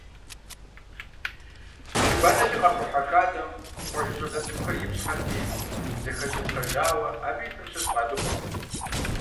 Чы банэкӏэ къэхухьа хадэм къуажэ щӏалэ цӏыкӏухэр ипщхьэрти, зэхэчэтхъэжауэ абы итым щыщ къадыгъурт.